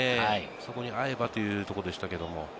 そこに合えばというところでしたけれども。